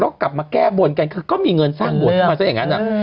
แล้วก็กลับมาแก้บนกันก็มีเงินสร้างบนมาซะอย่างนั้น